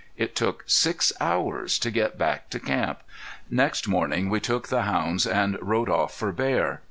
It took six hours to get back to camp! Next morning we took the hounds and rode off for bear.